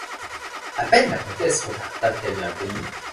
À peine la comtesse regarda-t-elle l’inconnu.